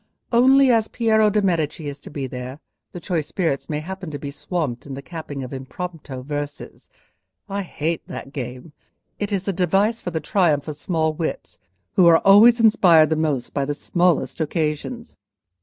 Only, as Piero de' Medici is to be there, the choice spirits may happen to be swamped in the capping of impromptu verses. I hate that game; it is a device for the triumph of small wits, who are always inspired the most by the smallest occasions."